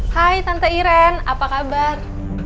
hai tante iren apa kabar